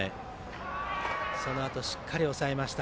そのあとしっかり抑えました。